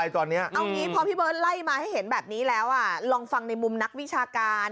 เอางี้พอพี่เบิร์ตไล่มาให้เห็นแบบนี้แล้วลองฟังในมุมนักวิชาการ